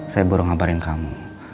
saya baru ngabarin kamu